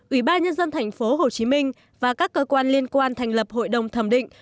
ủy ba nhân dân thành phố hồ chí minh và các cơ quan liên quan thành lập hội đồng thẩm định